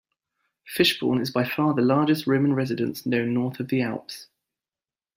Fishbourne is by far the largest Roman residence known north of the Alps.